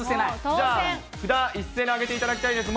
じゃあ、札、一斉に上げていただきたいです。